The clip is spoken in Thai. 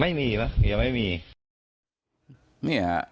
ไม่มียังไม่มี